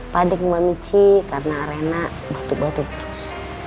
pading sama mici karena rina batuk batuk terus